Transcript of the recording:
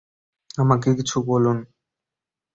আমাকে কিছু বলুন।